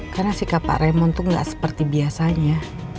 karena sikap pak remon tuh gak seperti biasanya